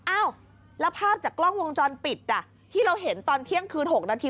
อ้าวแล้วภาพจากกล้องวงจรปิดที่เราเห็นตอนเที่ยงคืน๖นาที